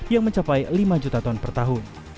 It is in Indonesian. yang mencapai lima juta ton per tahun